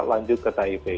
lanjut ke taipei